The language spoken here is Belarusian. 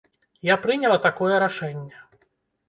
Я прыняла такое рашэнне.